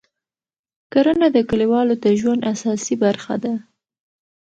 کرنه د کلیوالو د ژوند اساسي برخه ده